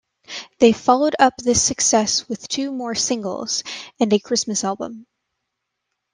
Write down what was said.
They followed up this success with two more singles and a Christmas album.